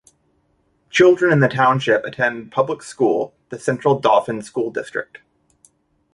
Children in the township attend public school the Central Dauphin School District.